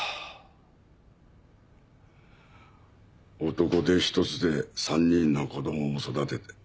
男手ひとつで３人の子どもを育てて。